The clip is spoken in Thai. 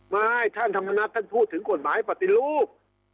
ไม่ท่านธรรมนัฐท่านพูดถึงกฎหมายปฏิรูป